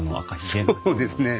そうですね。